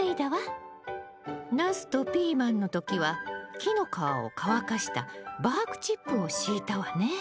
ナスとピーマンの時は木の皮を乾かしたバークチップを敷いたわね。